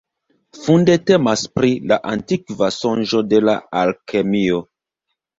Funde temas pri la antikva sonĝo de la alkemio.